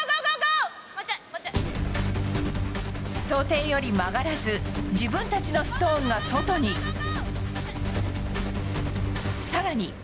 想定より曲がらず自分たちのストーンが外に。